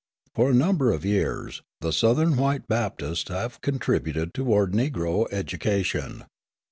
For a number of years the Southern white Baptists have contributed toward Negro education.